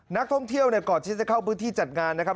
นักท่องเที่ยวเนี่ยก่อนที่จะเข้าพื้นที่จัดงานนะครับ